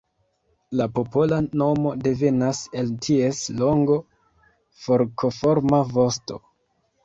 La popola nomo devenas el ties longo forkoforma vosto.